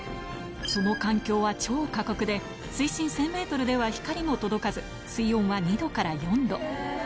その環境は超過酷で、水深１０００メートルでは光も届かず、水温は２度から４度。